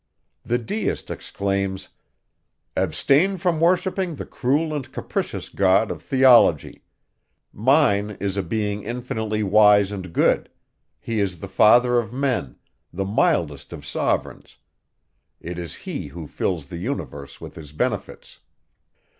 The Deist exclaims: "Abstain from worshipping the cruel and capricious God of theology; mine is a being infinitely wise and good; he is the father of men, the mildest of sovereigns; it is he who fills the universe with his benefits."